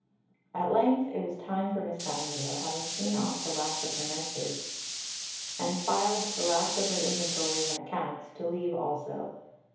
At length it was time for Miss Nightingale, having seen off the last of her nurses, and filed the last of her inventories and accounts, to leave also.